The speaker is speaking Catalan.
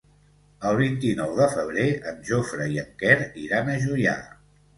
El vint-i-nou de febrer en Jofre i en Quer iran a Juià.